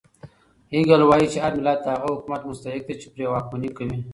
هګل وایي چې هر ملت د هغه حکومت مستحق دی چې پرې واکمني کوي.